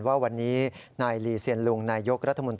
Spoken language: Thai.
ข้าข้าข้าข้า